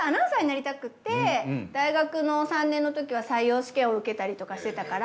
大学の３年のときは採用試験を受けたりとかしてたから。